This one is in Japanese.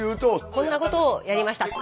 こんなことをやりました。